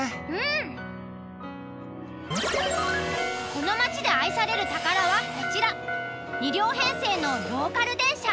この町で愛される宝はこちら２両編成のローカル電車。